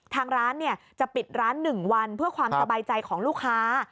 ทางร้านจะปิดร้าน๑วันเพื่อความสบายใจของลูกค้า